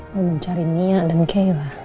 mau mencari nia dan gairah